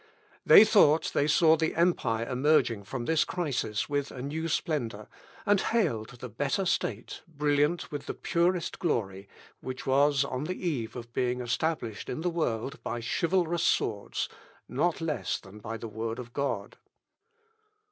They thought they saw the empire emerging from this crisis with new splendour, and hailed the better state, brilliant with the purest glory, which was on the eve of being established in the world by chivalrous swords, not less than by the word of God.